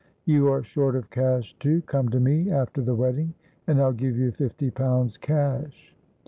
"You are short of cash, too; come to me after the wedding, and I'll give you fifty pounds cash."